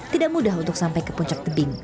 tidak mudah untuk sampai ke puncak tebing